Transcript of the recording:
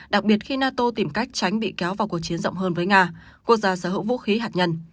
đặc biệt khi nato tìm cách tránh bị kéo vào cuộc chiến rộng hơn với nga quốc gia sở hữu vũ khí hạt nhân